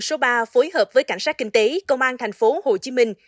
số ba phối hợp với cảnh sát kinh tế công an thành phố hồ chí minh